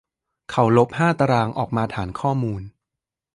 เขาลบห้าตารางออกมาฐานข้อมูล